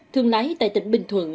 thường lái tại tỉnh bình thuận